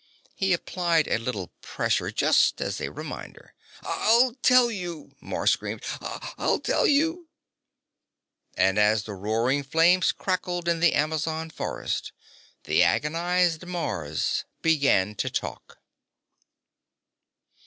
He applied a little pressure, just as a reminder. "I'll tell you!" Mars screamed. "I'll tell you!" And as the roaring flames crackled in the Amazon forest, the agonized Mars began to talk.